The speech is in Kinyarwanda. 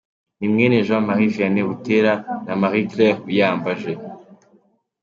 Ni mwene Jean Marie Vianney Butera na Marie Claire Uyambaje.